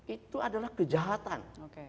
itu adalah kejahatan